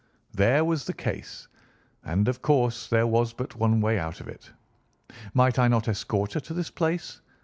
There was the case, and of course there was but one way out of it. Might I not escort her to this place?